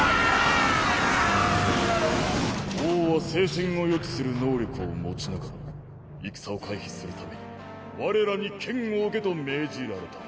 王は聖戦を予知する能力を持ちながら戦を回避するために我らに剣を置けと命じられた。